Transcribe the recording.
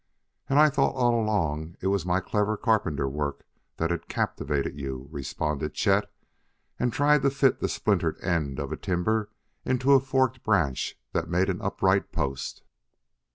"And I thought all along it was my clever carpenter work that had captivated you," responded Chet, and tried to fit the splintered end of a timber into a forked branch that made an upright post.